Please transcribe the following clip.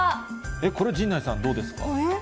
えっ、これ陣内さん、どうでえっ？